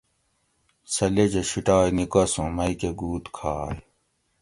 سہۤ لیجہۤ شیٹائ نیکس اُوں مئ کہ گُوت کھائ